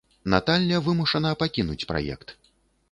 Наталля вымушана пакінуць праект.